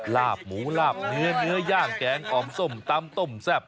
ลาบหมูลาบเนื้อเนื้อย่างแกงอ่อมส้มตำต้มแซ่บ